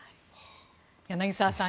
柳澤さん